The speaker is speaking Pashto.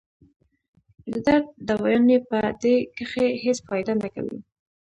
د درد دوايانې پۀ دې کښې هېڅ فائده نۀ کوي